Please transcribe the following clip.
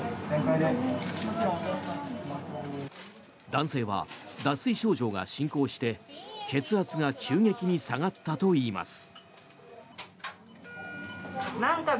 男性は脱水症状が進行して血圧が急激に下がったといいます。